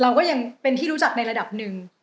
เราก็ยังเป็นที่รู้จักในระดับหนึ่ง